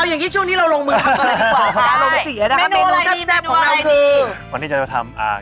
วันนี้จะทำแกงส้มปลาช่อนครับ